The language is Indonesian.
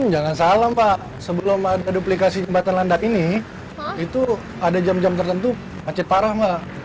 jangan salah pak sebelum ada duplikasi jembatan landak ini itu ada jam jam tertentu macet parah mbak